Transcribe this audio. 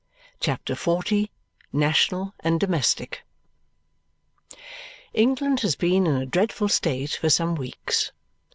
CHAPTER XL National and Domestic England has been in a dreadful state for some weeks.